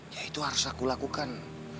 ya itu harus aku lakukan